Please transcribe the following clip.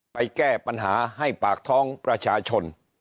แก้ปัญหาให้ปากท้องประชาชน